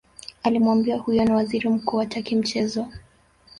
alimwambia huyo ni waziri mkuu hataki mchezo